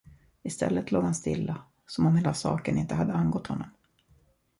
I stället låg han stilla, som om hela saken inte hade angått honom.